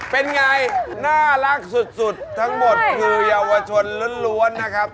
เป็นไงน่ารักสุดทั้งหมดคือเยาวชนล้วนนะครับ